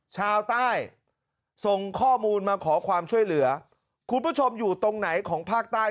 ชาวใต้ส่งข้อมูลมาขอความช่วยเหลือคุณผู้ชมอยู่ตรงไหนของภาคใต้